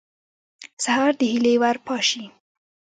سهار د هیلې ور پاشي.